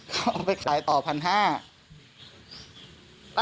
เขาเอาไปขายต่อพันห้า